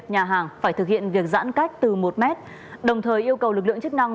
nhà hàng phải thực hiện việc giãn cách từ một mét đồng thời yêu cầu lực lượng chức năng